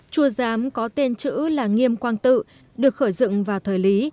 chùa giám có tên chữ là nghiêm quang tự được khởi dựng vào thời lý